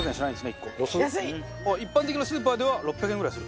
一般的なスーパーでは６００円ぐらいすると。